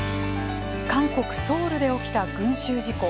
韓国ソウルでおきた群衆事故。